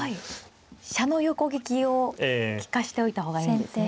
飛車の横利きを利かしておいた方がいいんですね。